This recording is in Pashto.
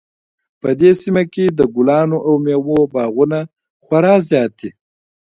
په دې سیمه کې د ګلانو او میوو باغونه خورا زیات دي